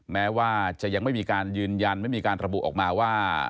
แม้ว่าจะยังไม่มีการยืนยันไม่มีการระบุออกมาว่า